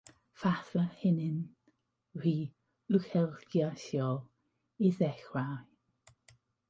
Falle hynny'n rhy uchelgeisiol i ddechrau?